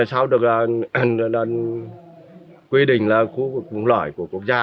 sau được quy định là khu vực vùng lõi của quốc gia